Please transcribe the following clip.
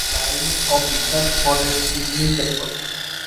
এটা flying officer পদের ঠিক নিচের পদ।